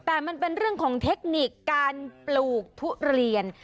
แต่มันเป็นเรื่องของเทคนิคการปลูกทุเรียน